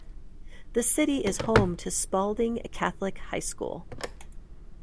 The city is home to Spalding Catholic High School.